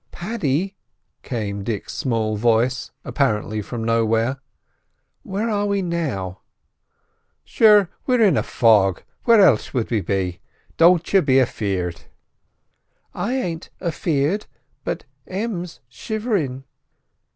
"Paddy," came Dick's small voice, apparently from nowhere, "where are we now?" "Sure, we're in a fog; where else would we be? Don't you be affeared." "I ain't affeared, but Em's shivering."